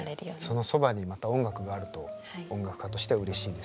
そのそばにまた音楽があると音楽家としてはうれしいです。